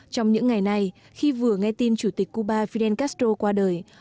trong những ngày này khi vừa nghe tin chủ tịch cuba fidel castro qua đời